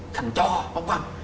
thành cho văn văn